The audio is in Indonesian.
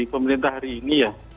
pemerintah hari ini ya